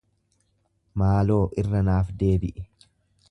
Maaloo irra naaf deebi'i.